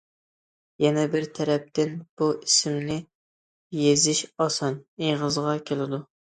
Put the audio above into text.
يەنە بىر تەرەپتىن بۇ ئىسىمنى يېزىش ئاسان، ئېغىزغا كېلىدۇ.